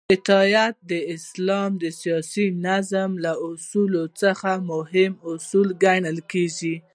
اطاعت د اسلام د سیاسی نظام له اصولو څخه مهم اصل ګڼل کیږی